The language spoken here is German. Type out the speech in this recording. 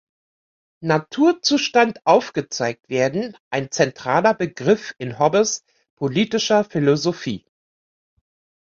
Naturzustand aufgezeigt werden, ein zentraler Begriff in Hobbes’ politischer Philosophie.